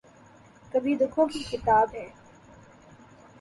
کبھی دکھوں کی کتاب ہے